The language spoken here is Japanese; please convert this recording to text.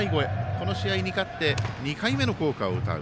この試合に勝って２回目の校歌を歌う。